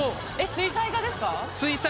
水彩画ですか？